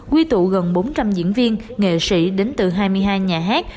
quy tụ gần bốn trăm linh diễn viên nghệ sĩ đến từ hai mươi hai nhà hát